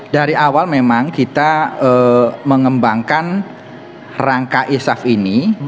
dari awal memang kita mengembangkan rangka e saf ini